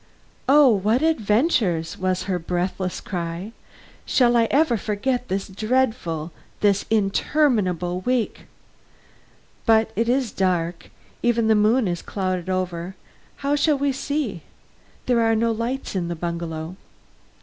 "Oh, what adventures!" was her breathless cry. "Shall I ever forget this dreadful, this interminable week! But it is dark. Even the moon is clouded over. How shall we see? There are no lights in the bungalow."